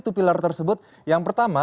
satu pilar tersebut yang pertama